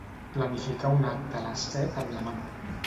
Planificar un acte a les set amb la mama.